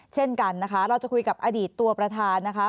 เช่นกันนะคะเราจะคุยกับอดีตตัวประธานนะคะ